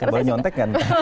boleh nyontek kan